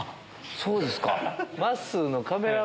そうですか。